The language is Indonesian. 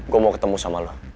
gue mau ketemu sama lo